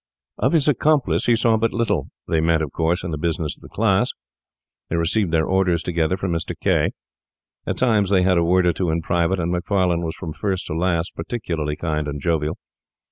Of his accomplice he saw but little. They met, of course, in the business of the class; they received their orders together from Mr. K—. At times they had a word or two in private, and Macfarlane was from first to last particularly kind and jovial.